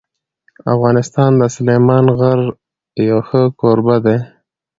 افغانستان د سلیمان غر یو ښه کوربه دی.